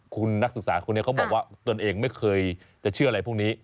คุณนักศึกษาคนนี้เขาบอกว่าตนเองไม่เคยจะเชื่ออะไรพวกนี้